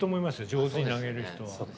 上手に投げる人は。